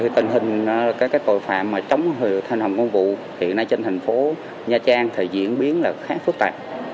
tình hình các cội phạm chống hành hồng công vụ hiện nay trên tp nha trang thì diễn biến khá phức tạp